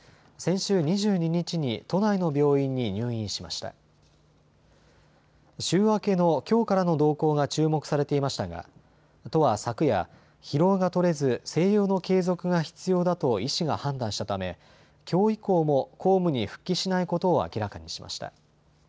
週明けのきょうからの動向が注目されていましたが都は昨夜、疲労が取れず静養の継続が必要だと医師が判断したためきょう以降も公務に復帰しないことを明らかにしました。